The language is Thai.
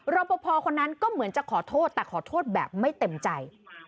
รอปภคนนั้นก็เหมือนจะขอโทษแต่ขอโทษแบบไม่เต็มใจ